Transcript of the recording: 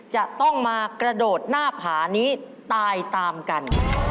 จะต้องมากระโดดหน้าผานี้ตายตามกัน